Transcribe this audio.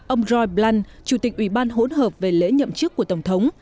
ông roy blunt chủ tịch ủy ban hỗn hợp về lễ nhậm chức của tổng thống